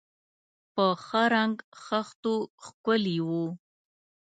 په ښه رنګ خښتو ښکلي و.